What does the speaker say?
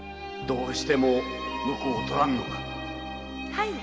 はい。